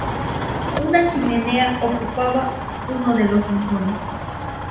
Una chimenea ocupaba uno de los rincones".